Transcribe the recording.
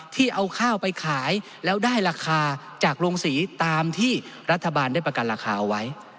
ที่เอาข้าวไปขายแล้วได้ราคาจากโรงสีตามที่รัฐบาลได้ประกันราคาเอาไว้